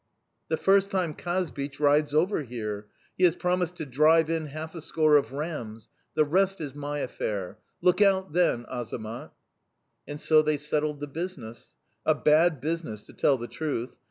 "'The first time Kazbich rides over here. He has promised to drive in half a score of rams; the rest is my affair. Look out, then, Azamat!' "And so they settled the business a bad business, to tell the truth!